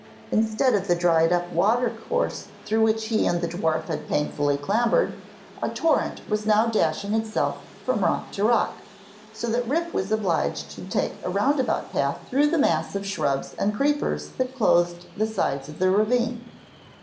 Instead of the dried up watercourse through which he and the dwarf had painfully clambered, a torrent was now dashing itself from rock to rock, so that Rip was obliged to take a round about path through the mass of shrubs and creepers that clothed the sides of the ravine.